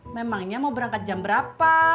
memangnya mau berangkat jam berapa